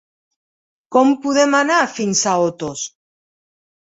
Com podem anar fins a Otos?